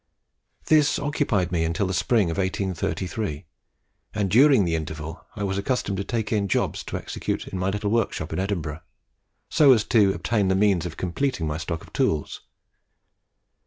This occupied me until the spring of 1833, and during the interval I was accustomed to take in jobs to execute in my little workshop in Edinburgh, so as to obtain the means of completing my stock of tools.